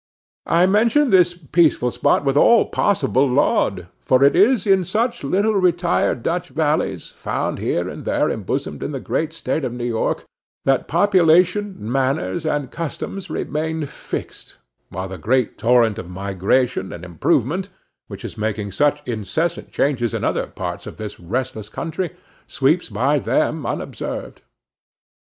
I mention this peaceful spot with all possible laud, for it is in such little retired Dutch valleys, found here and there embosomed in the great State of New York, that population, manners, and customs remain fixed, while the great torrent of migration and improvement, which is making such incessant changes in other parts of this restless country, sweeps by them unobserved.